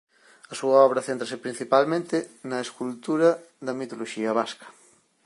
A súa obra céntrase principalmente na escultura da mitoloxía vasca.